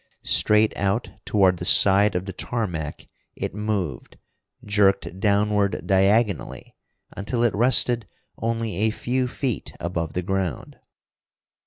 Straight out toward the side of the tarmac it moved jerked downward diagonally, until it rested only a few feet above the ground.